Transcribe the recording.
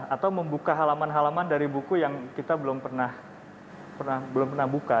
atau membuka halaman halaman dari buku yang kita belum pernah buka